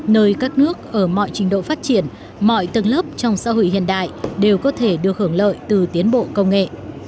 nơi các nước ở mọi trình độ phát triển mọi tầng lớp trong xã hội hiện đại đều có thể được hưởng lợi từ tiến bộ công nghệ